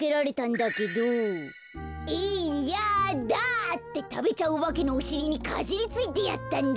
だ！」ってたべちゃうおばけのおしりにかじりついてやったんだ。